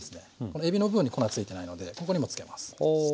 このえびの部分に粉ついてないのでここにもつけます。